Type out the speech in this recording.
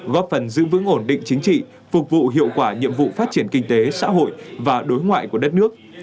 góp phần giữ vững ổn định chính trị phục vụ hiệu quả nhiệm vụ phát triển kinh tế xã hội và đối ngoại của đất nước